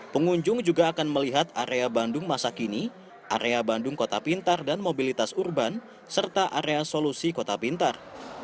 pengunjung juga akan melihat area bandung masa kini area bandung kota pintar dan mobilitas urban serta area solusi kota pintar